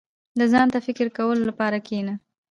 • د ځان ته فکر کولو لپاره کښېنه.